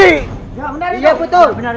iya benar itu